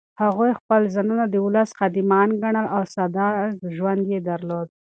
هغوی خپل ځانونه د ولس خادمان ګڼل او ساده ژوند یې درلود.